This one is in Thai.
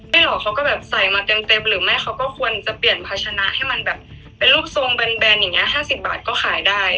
เหรอเขาก็แบบใส่มาเต็มหรือไม่เขาก็ควรจะเปลี่ยนภาชนะให้มันแบบเป็นรูปทรงแบนอย่างนี้๕๐บาทก็ขายได้